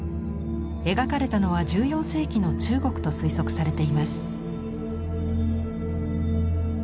描かれたのは１４世紀の中国と推測されています。